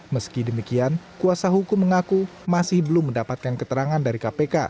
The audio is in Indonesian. meski demikian kuasa hukum mengaku masih belum mendapatkan keterangan dari kpk